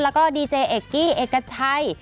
แล้วก็ดีเจเอกกี้เอกชัย